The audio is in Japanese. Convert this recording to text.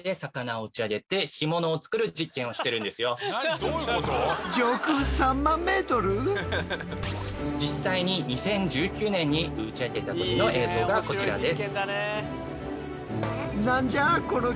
僕らは実際に２０１９年に打ち上げた時の映像がこちらです。